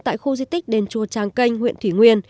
tại khu di tích đền chùa trang canh huyện thủy nguyên